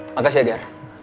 makasih ya ger